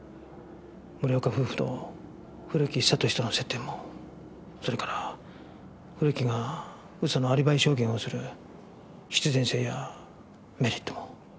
森岡夫婦と古木久俊との接点もそれから古木が嘘のアリバイ証言をする必然性やメリットも。